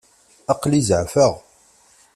Aql-i zeεfeɣ.